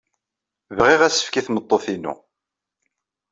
Bɣiɣ asefk i tmeṭṭut-inu.